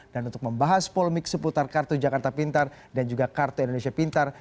dan untuk membahas polemik seputar kartu jakarta pintar dan juga kartu indonesia pintar